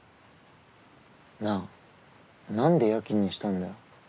なあなんで夜勤にしたんだよ。